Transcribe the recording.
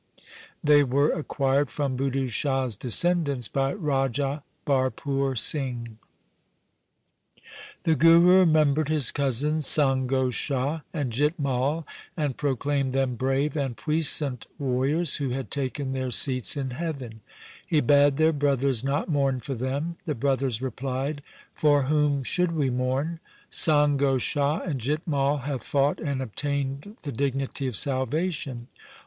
They were acquired from Budhu Shah's descendants by Raja Bharpur Singh. The Guru remembered his cousins Sango Shah and Jit Mai, and proclaimed them brave and puissant warriors who had taken their seats in heaven. He bade their brothers not mourn for them. The brothers replied, ' For whom should we mourn? Sango Shah and Jit Mai have fought and obtained the dignity of salvation.